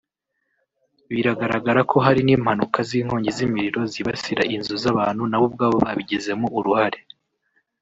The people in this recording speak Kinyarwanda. Biragaragara ko hari n’impanuka z’inkongi z’imiriro zibasira inzu z’abantu na bo ubwabo babigizemo uruhare